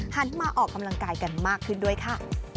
หันมาออกกำลังกายกันมากขึ้นด้วยค่ะ